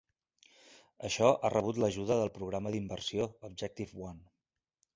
Això ha rebut l'ajuda del programa d'inversió Objective One.